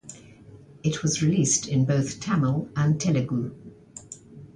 It was released in both Tamil and Telugu.